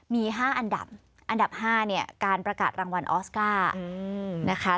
มี๕อันดับอันดับ๕เนี่ยการประกาศรางวัลออสการ์นะคะ